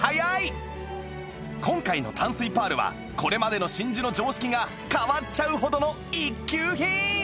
今回の淡水パールはこれまでの真珠の常識が変わっちゃうほどの一級品！